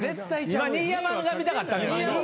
新山が見たかったのよ。